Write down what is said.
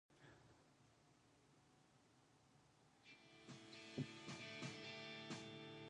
His advocacy of Chinese immigration and civil rights cost him his constituency.